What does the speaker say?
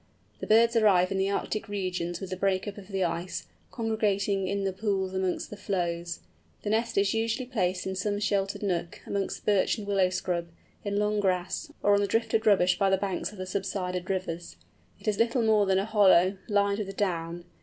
The birds arrive in the Arctic regions with the break up of the ice, congregating in the pools amongst the floes. The nest is usually placed in some sheltered nook, amongst birch and willow scrub, in long grass, or on the drifted rubbish by the banks of the subsided rivers. It is little more than a hollow, lined with down.